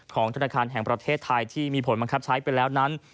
ธนาคารแห่งประเทศไทยที่มีผลบังคับใช้ไปแล้วนั้น